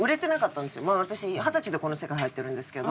私二十歳でこの世界入ってるんですけど。